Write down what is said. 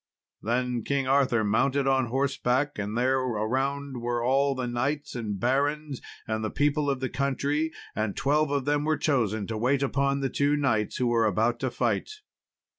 Then King Arthur mounted on horseback, and there around were all the knights, and barons, and people of the country; and twelve of them were chosen to wait upon the two knights who were about to fight.